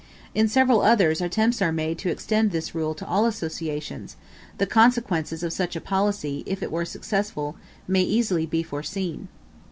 In several others, attempts are made to extend this rule to all associations; the consequences of such a policy, if it were successful, may easily be foreseen.